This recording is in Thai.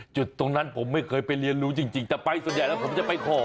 จุดตรงนั้นผมไม่เคยไปเรียนรู้จริงแต่ไปส่วนใหญ่แล้วผมจะไปขอ